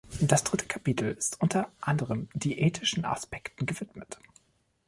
Das dritte Kapitel ist unter anderem diätetischen Aspekten gewidmet.